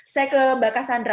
saya ke mbak cassandra